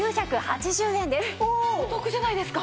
お得じゃないですか！